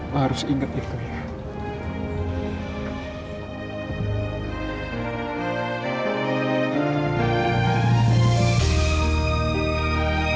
lo harus ingat itu ya